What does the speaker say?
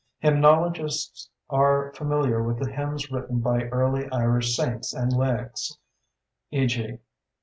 Hymnologists are familiar with the hymns written by early Irish saints and laics, _e.g.